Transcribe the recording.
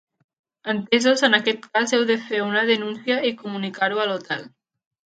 Entesos, en aquest cas heu de fer una denúncia i comunicar-ho a l'hotel.